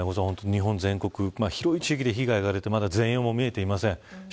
広い地域で被害も出ていてまだ全容も見えていません。